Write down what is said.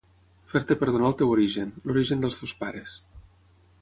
Fer-te perdonar el teu origen, l’origen dels teus pares.